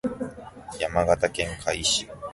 山梨県甲斐市